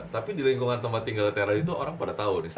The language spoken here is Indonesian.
tapi di lingkungan tempat tinggal teror itu orang pada tahu nih